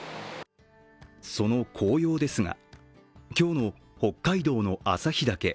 その紅葉ですが、今日の北海道の旭岳。